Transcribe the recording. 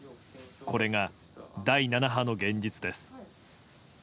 これが第７波の現実です。